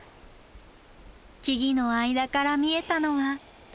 木々の間から見えたのは。